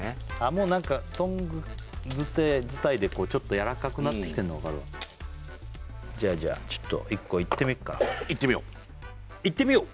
もう何かトング伝いでちょっとやわらかくなってきてるの分かるわじゃあじゃあちょっと１個いってみっかいってみよういってみよう！